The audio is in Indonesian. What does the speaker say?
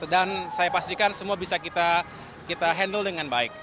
dan saya pastikan semua bisa kita handle dengan baik